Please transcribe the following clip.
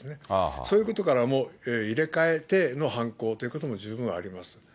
そういうことから、入れ替えての犯行ということも十分あります。